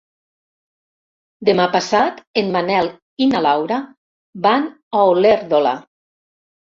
Demà passat en Manel i na Laura van a Olèrdola.